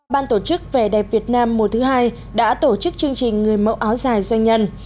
ban tổ chức vẻ đẹp việt nam mùa thứ hai đã tổ chức chương trình người mẫu áo dài doanh nhân